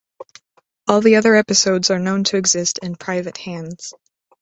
All the other episodes are known to exist in private hands.